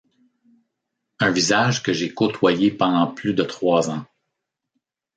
Un visage que j'ai côtoyé pendant plus de trois ans.